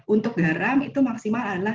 untuk garam itu maksimal adalah